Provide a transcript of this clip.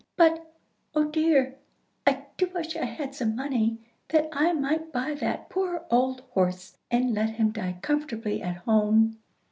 "But, oh dear, I do wish I had some money, that I might buy that poor old horse, and let him die comfortably at home."